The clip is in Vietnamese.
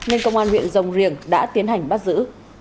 nên công an huyện rồng riềng đã tiến hành bắt giữ